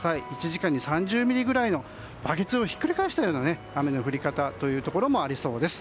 １時間に３０ミリぐらいのバケツをひっくり返したような雨の降り方というところもありそうです。